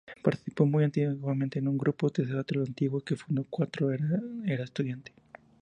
Participó muy activamente en un Grupo de Teatro Antiguo que fundó cuando era estudiante.